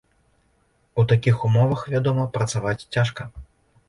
У такіх умовах, вядома, працаваць цяжка.